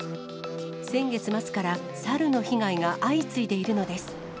先月末から猿の被害が相次いでいるのです。